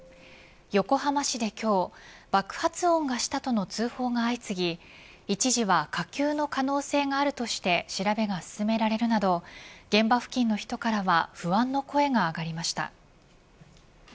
横浜市で今日爆発音がしたとの通報が相次ぎ一時は火球の可能性があるとして調べが進められるなど現場付近の人からは不安の声が上がりました。